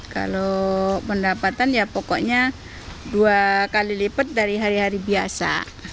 kalau pendapatan ya pokoknya dua kali lipat dari hari hari biasa